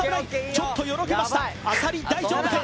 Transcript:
ちょっとよろけました浅利大丈夫か！？